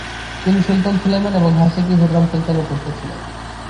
তিনি Sultan Suleiman এবং Haseki Hurrem সুলতানের পুত্র ছিলেন।